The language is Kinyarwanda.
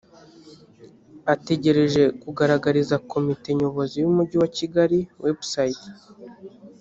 ategereje kugaragariza komite nyobozi y umujyi wa kigali website